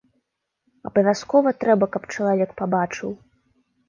Абавязкова трэба, каб чалавек пабачыў.